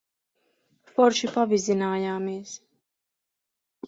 Forši pavizinājāmies.